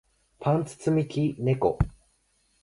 パンツ積み木猫